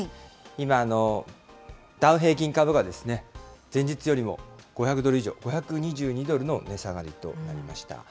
今、ダウ平均株価ですね、前日よりも５００ドル以上、５２２ドルの値下がりとなりました。